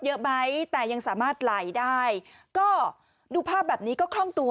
เยอะไหมแต่ยังสามารถไหลได้ก็ดูภาพแบบนี้ก็คล่องตัว